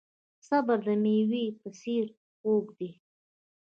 صبر د میوې په څیر خوږ دی.